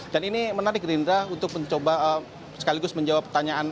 dan ini menarik gerindra untuk mencoba sekaligus menjawab pertanyaan